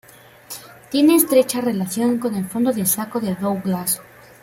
Tiene estrecha relación con el Fondo de Saco de Douglas.